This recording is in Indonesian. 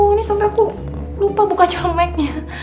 ini sampe aku lupa buka jemeknya